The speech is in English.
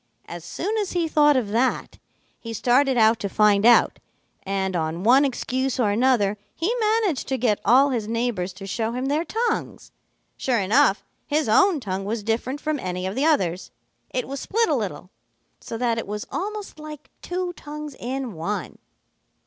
As soon as he thought of that, he started out to find out, and on one excuse or another he managed to get all his neighbors to show him their tongues. Sure enough, his own tongue was different from any of the others. It was split a little, so that it was almost like two tongues in one.